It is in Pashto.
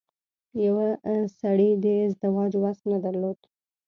يوه سړي د ازدواج وس نه درلود.